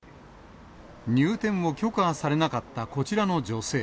入店を許可されなかったこちらの女性。